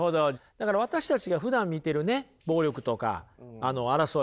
だから私たちがふだん見てるね暴力とか争い